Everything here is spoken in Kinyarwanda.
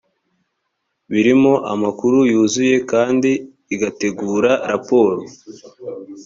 birimo amakuru yuzuye kandi igategura raporo